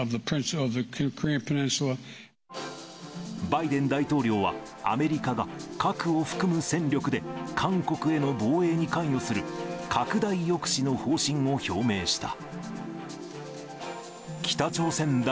バイデン大統領は、アメリカが核を含む戦力で韓国への防衛に関与する、拡大抑止の方針を表明した。